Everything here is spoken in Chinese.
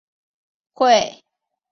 率大湟江一带会众赴金田参加起义。